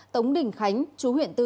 tống đình khánh chú huyện tư